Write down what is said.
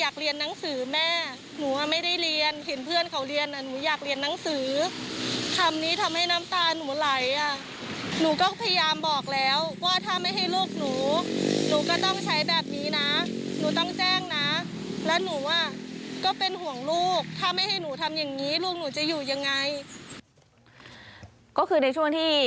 ก็คือในช่วงที่